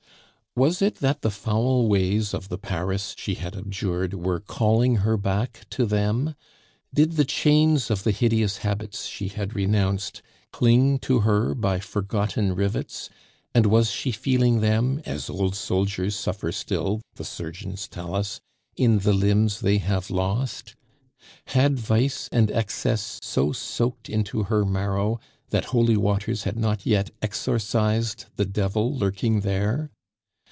Was it that the foul ways of the Paris she had abjured were calling her back to them? Did the chains of the hideous habits she had renounced cling to her by forgotten rivets, and was she feeling them, as old soldiers suffer still, the surgeons tell us, in the limbs they have lost? Had vice and excess so soaked into her marrow that holy waters had not yet exorcised the devil lurking there?